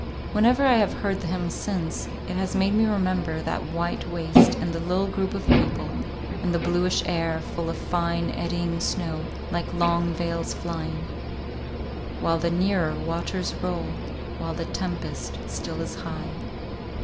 Whenever I have heard the hymn since, it has made me remember that white waste and the little group of people; and the bluish air, full of fine, eddying snow, like long veils flying:— "While the nearer waters roll, While the tempest still is high."